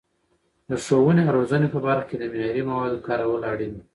د ښوونې او روزنې په برخه کې د معیاري موادو کارول اړین دي.